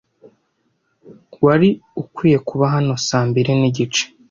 Wari ukwiye kuba hano saa mbiri nigice.